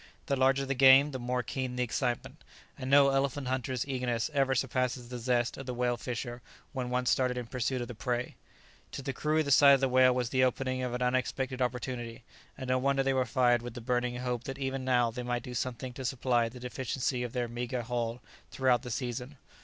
The larger the game the more keen the excitement; and no elephant hunter's eagerness ever surpasses the zest of the whale fisher when once started in pursuit of the prey. To the crew the sight of the whale was the opening of an unexpected opportunity, and no wonder they were fired with the burning hope that even now they might do something to supply the deficiency of their meagre haul throughout the season.